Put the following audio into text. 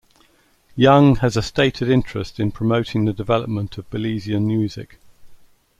Young has a stated interest in promoting the development of Belizean music.